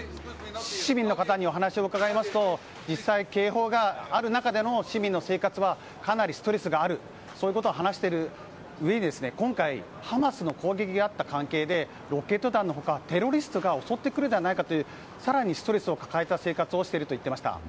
市民の方にお話を伺いますと実際、警報がある中での市民の生活はかなりストレスがあるというふうに話しているうえに今回ハマスの攻撃があった関係でロケット弾の他、テロリストが襲ってくるのではないかという更にストレスを抱えた生活をしていると言っていました。